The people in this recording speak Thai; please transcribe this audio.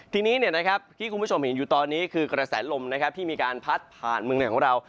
ทีนี้ที่คุณผู้ชมเห็นอยู่ตอนนี้คือกระแสลมน์ลมที่พัดไปหมึกทางเรา